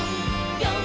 ぴょん！